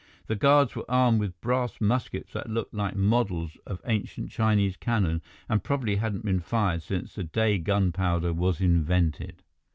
The guards were armed with brass muskets that looked like models of ancient Chinese cannon and probably hadn't been fired since the day gunpowder was invented.